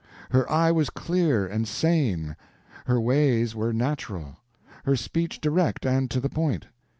Her eye was clear and sane, her ways were natural, her speech direct and to the point.